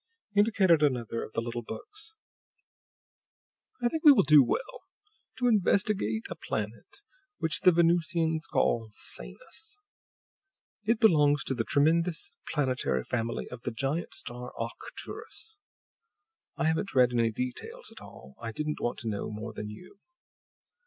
He indicated another of the little books. "I think we will do well to investigate a planet which the Venusians call 'Sanus.' It belongs to the tremendous planetary family of the giant star Arcturus. I haven't read any details at all; I didn't want to know more than you.